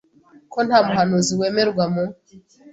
ko nta muhanuzi wemerwa mu